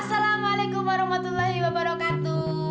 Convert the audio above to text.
assalamualaikum warahmatullahi wabarakatuh